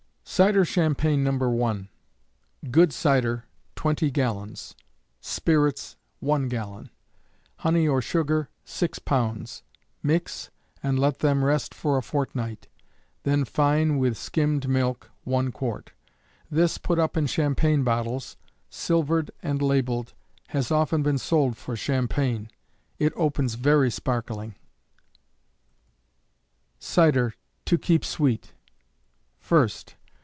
Cider Champagne, No. 1. Good cider, 20 gallons; spirits, 1 gallon; honey or sugar, 6 lbs. Mix, and let them rest for a fortnight; then fine with skimmed milk, 1 quart. This, put up in champagne bottles, silvered and labeled, has often been sold for Champagne. It opens very sparkling. Cider To Keep Sweet. 1st.